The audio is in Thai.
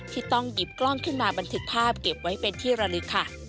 ที่ต้องหยิบกล้องขึ้นมาบันทึกภาพเก็บไว้เป็นที่ระลึกค่ะ